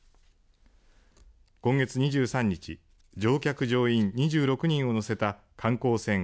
今月２３日乗客、乗員２６人を乗せた観光船